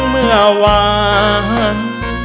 เมื่อวาน